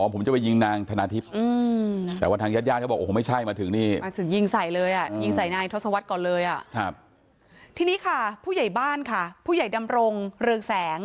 เพราะว่าทางเราก็ไม่ยอมอยู่แล้วทางเราก็ไม่ยอมความอยู่แล้ว